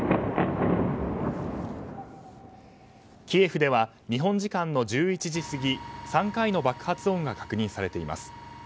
キエフでは日本時間の１１時過ぎ３回の爆発音が確認されています。